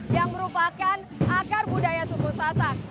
yang merupakan akar budaya suku sasak